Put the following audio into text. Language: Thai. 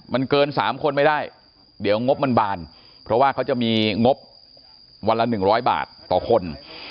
มันเกิน๓คนไม่ได้เดี๋ยวงบมันบานเพราะว่าเขาจะมีงบวันละ๑๐๐บาทต่อคน